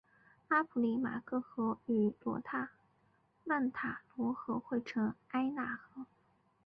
阿普里马克河与曼塔罗河汇流成为埃纳河。